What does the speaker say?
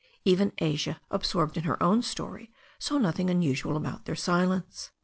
Even Asia, absorbed in her own story, saw nothing unusual about their silence.